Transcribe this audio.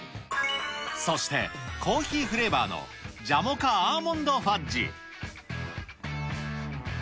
そして、コーヒーフレーバーのジャモカアーモンドファッジ。